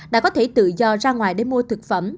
đã có thể tự do ra ngoài để mua thực phẩm